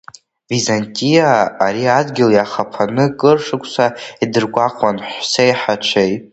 Византиаа ари адгьыл иахаԥаны кыр шықәса идыргәаҟуан ҳәсеи-хацәеи.